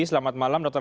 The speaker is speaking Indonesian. selamat malam dr adib